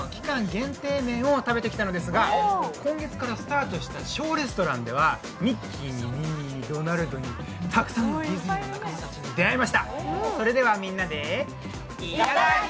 限定麺を食べてきたんですけれども、今月からスタートしたショーレストランではミッキーにミニーにドナルドに、たくさんのディズニーの仲間たちに出会いました。